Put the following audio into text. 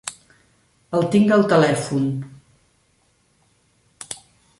El tinc al telèfon.